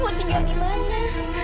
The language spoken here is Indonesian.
ibu kalau pergi mau tinggal di mana